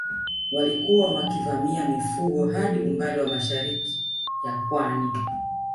Walikuwa wakivamia mifugo hadi umbali wa mashariki ya Pwani